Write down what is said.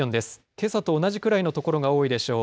けさと同じくらいの所が多いでしょう。